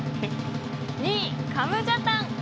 ２位、カムジャタン。